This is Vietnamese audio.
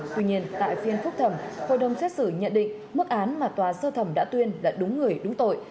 tuy nhiên tại phiên phúc thẩm hội đồng xét xử nhận định mức án mà tòa sơ thẩm đã tuyên là đúng người đúng tội